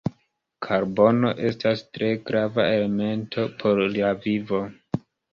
Karbono estas tre grava elemento por la vivo.